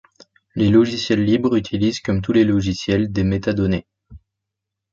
Les logiciels libres utilisent, comme tous les logiciels, des métadonnées.